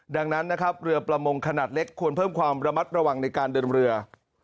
ดังนั้นนะครับเรือประมงขนาดเล็กควรเพิ่มความระมัดระวังในการเดินเรือ